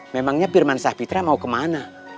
memangnya pirman sah fitra mau kemana